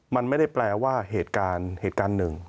มันไม่ได้แปลว่าเหตุการณ์๑